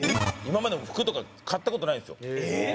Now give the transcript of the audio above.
今までも服とか買った事ないんですよ。